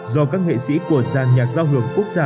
do các nghệ sĩ của giàn nhạc giao hưởng quốc gia